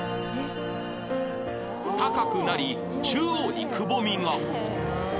高くなり中央にくぼみが